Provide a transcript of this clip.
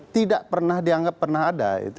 tidak pernah dianggap pernah ada